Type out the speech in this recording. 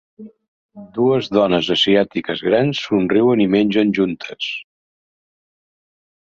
Dues dones asiàtiques grans somriuen i mengen juntes.